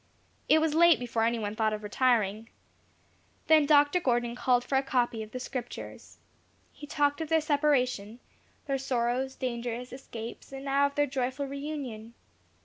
It was late before any one thought of retiring. Then Dr. Gordon called for a copy of the Scriptures. He talked of their separation, their sorrows, dangers, escapes, and now of their joyful reunion.